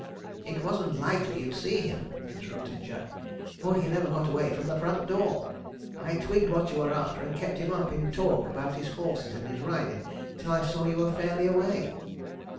'It wasn't likely you'd see him,' interrupted Jack, 'for he never got away from the front door. I twigged what you were after, and kept him up in talk about his horses and his ridin' till I saw you were fairly away.'